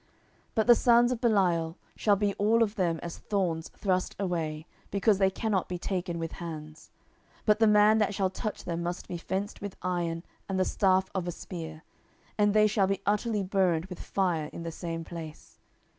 10:023:006 But the sons of Belial shall be all of them as thorns thrust away, because they cannot be taken with hands: 10:023:007 But the man that shall touch them must be fenced with iron and the staff of a spear; and they shall be utterly burned with fire in the same place.